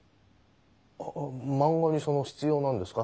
ああ漫画にその必要なんですか？